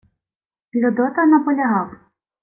Людота наполягав: